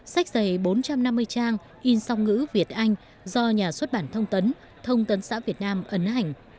sách giày bốn trăm năm mươi trang in song ngữ việt anh do nhà xuất bản thông tấn thông tấn xã việt nam ấn hành